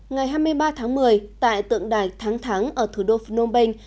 ngày hai mươi ba tháng một mươi tại tượng đài thắng thắng ở thủ đô phnom penh